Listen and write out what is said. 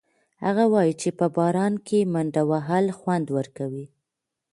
هغه وایي چې په باران کې منډه وهل خوند ورکوي.